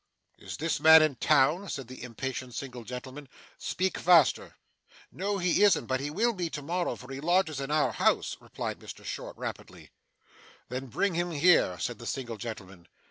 'Is this man in town?' said the impatient single gentleman. 'Speak faster.' 'No he isn't, but he will be to morrow, for he lodges in our house,' replied Mr Short rapidly. 'Then bring him here,' said the single gentleman.